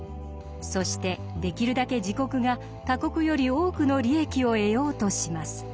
そしてできるだけ自国が他国より多くの利益を得ようとします。